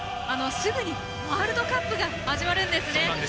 すぐにワールドカップが始まるんですね。